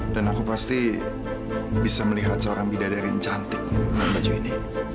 dan aku pasti bisa melihat seorang bidadari yang cantik dengan baju ini